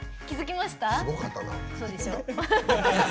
すごかったな。